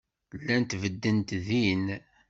Llant beddent din.